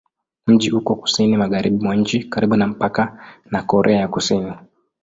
Mji uko kusini-magharibi mwa nchi, karibu na mpaka na Korea ya Kusini.